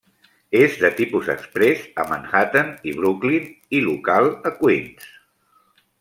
És de tipus exprés a Manhattan i Brooklyn i local a Queens.